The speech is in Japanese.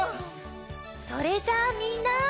それじゃあみんな。